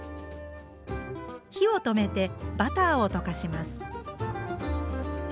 火を止めてバターを溶かします。